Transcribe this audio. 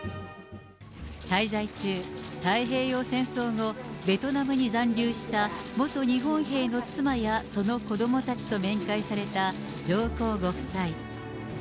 滞在中、太平洋戦争後、ベトナムに残留した、元日本兵の妻やその子どもたちと面会された上皇ご夫妻。